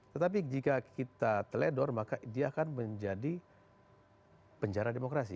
tetapi jika kita teledor maka dia akan menjadi penjara demokrasi